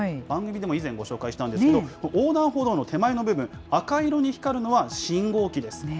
番組でも以前ご紹介したんですけれども、横断歩道の手前の部分、赤色に光るのは、信号機です。